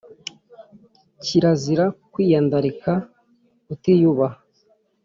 kirazira kwiyandarika, kutiyubaha